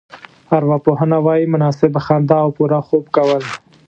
ارواپوهنه وايي مناسبه خندا او پوره خوب کول.